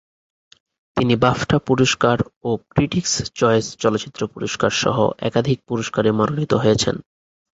তিনি বাফটা পুরস্কার ও ক্রিটিকস চয়েস চলচ্চিত্র পুরস্কারসহ একাধিক পুরস্কারে মনোনীত হয়েছেন।